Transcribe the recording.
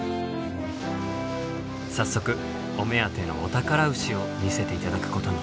早速お目当てのお宝牛を見せて頂くことに。